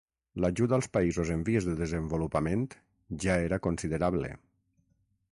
L'ajut als països en vies de desenvolupament ja era considerable.